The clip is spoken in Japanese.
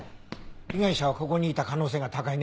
被害者はここにいた可能性が高いね。